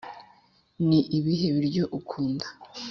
ni ibihe biryo ukunda?